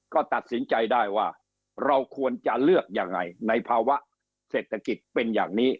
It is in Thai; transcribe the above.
ก็ตัดสินใจได้ว่าเราควรจะเลือกยังไงในภาวะเศรษฐกิจเป็นอย่างนี้